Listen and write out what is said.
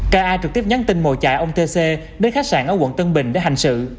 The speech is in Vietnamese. k a trực tiếp nhắn tin ngồi chạy ông t c đến khách sạn ở quận tân bình để hành sự